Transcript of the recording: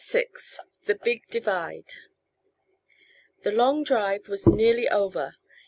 THE BIG DIVIDE The long drive was nearly over.